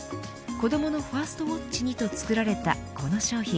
子どものファーストウォッチにと作られたこの商品。